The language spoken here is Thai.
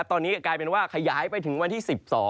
ตอนนี้กลายเป็นว่าขยายไปถึงวันที่๑๒